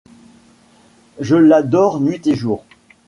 Je l'adore nuit et jour